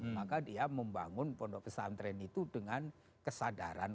maka dia membangun pondok pesantren itu dengan kesadaran